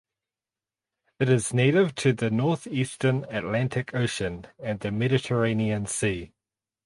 It is native to the northeastern Atlantic Ocean and the Mediterranean Sea.